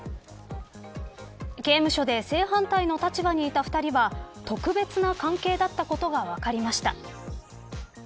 刑務所で正反対の立場にいた２人は特別な関係だったことが分かりました。